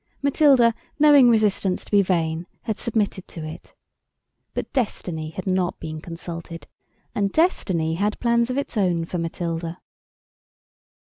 Matilda, knowing resistance to be vain, had submitted to it. But Destiny had not been consulted, and Destiny had plans of its own for Matilda.